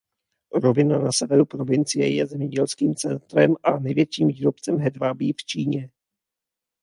Rovina na severu provincie je zemědělským centrem a největším výrobcem hedvábí v Číně.